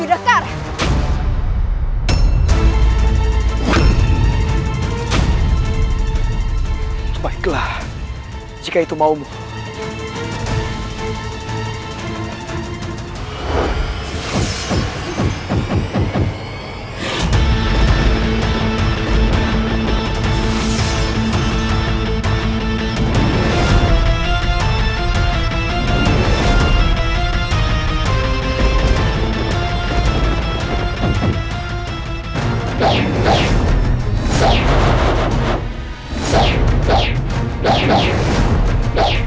seperti inikah cinta menurutmu